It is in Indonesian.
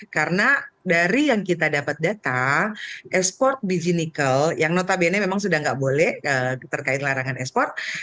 karena dari yang kita dapat data ekspor biji nikel yang notabene memang sudah tidak boleh terkait larangan ekspor